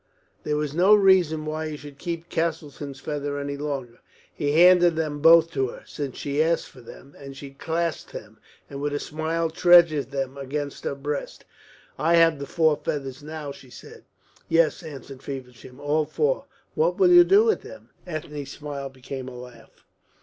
There was no reason why he should keep Castleton's feather any longer. He handed them both to her, since she asked for them, and she clasped them, and with a smile treasured them against her breast. "I have the four feathers now," she said. "Yes," answered Feversham; "all four. What will you do with them?" Ethne's smile became a laugh.